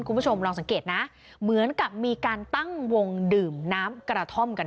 คุณผู้ชมลองสังเกตนะเหมือนกับมีการตั้งวงดื่มน้ำกระท่อมกัน